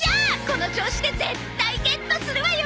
この調子で絶対ゲットするわよ！